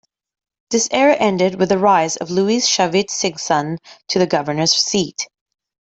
This era ended with the rise of Luis "Chavit" Singson to the governor's seat.